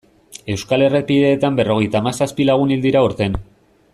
Euskal errepideetan berrogeita hamazazpi lagun hil dira aurten.